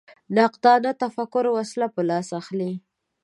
نقادانه تفکر وسله په لاس اخلي